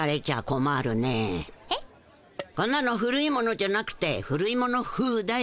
こんなの古い物じゃなくて古い物ふうだよ。